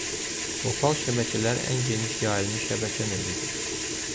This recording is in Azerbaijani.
Lokal şəbəkələr ən geniş yayılmış şəbəkə növüdür.